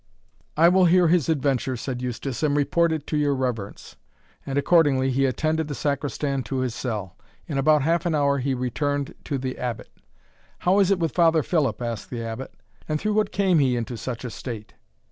"I will hear his adventure," said Eustace, "and report it to your reverence." And, accordingly, he attended the Sacristan to his cell. In about half an hour he returned to the Abbot. "How is it with Father Philip?" said the Abbot; "and through what came he into such a state?"